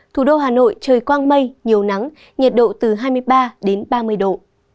thủ đô hà nội trời quang mây nhiều nắng nhiệt độ từ hai mươi ba đến ba mươi độ